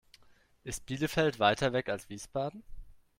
Ist Bielefeld weiter weg als Wiesbaden?